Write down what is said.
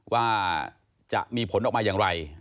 ว่าจะมีผลออกมาอย่างไร